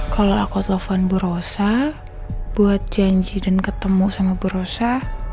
kalau aku telepon bu rosa buat janji dan ketemu sama bu rosa